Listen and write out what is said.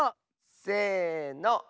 せの。